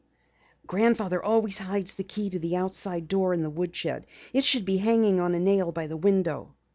"Grandfather always hides the key to the outside door in the woodshed. It should be hanging on a nail by the window."